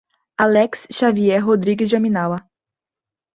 Alex Xavier Rodrigues Jaminawa